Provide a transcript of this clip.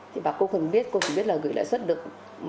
thì bà cô không biết cô chỉ biết là gửi lãi suất được một mươi năm